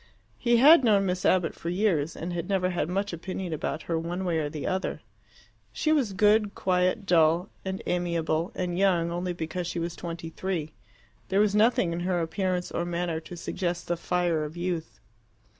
He had known Miss Abbott for years, and had never had much opinion about her one way or the other. She was good, quiet, dull, and amiable, and young only because she was twenty three: there was nothing in her appearance or manner to suggest the fire of youth.